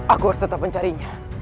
aku harus tetap mencarinya